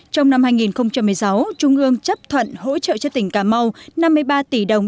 trong năm hai nghìn một mươi sáu trung ương chấp thuận hỗ trợ cho tỉnh cà mau năm mươi ba tỷ đồng